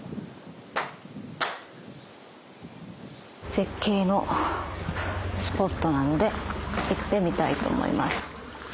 絶景のスポットなので行ってみたいと思います。